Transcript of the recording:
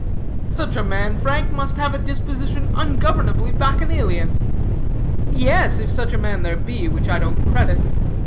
'" "Such a man, Frank, must have a disposition ungovernably bacchanalian." "Yes, if such a man there be, which I don't credit.